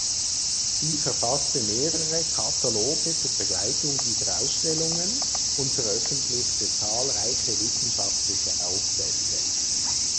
Sie verfasste mehrere Kataloge zur Begleitung dieser Ausstellungen und veröffentlichte zahlreiche wissenschaftliche Aufsätze.